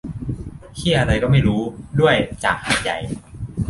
เหี้ยอะไรก็ไม่รู้ ด้วย จากหาดใหญ่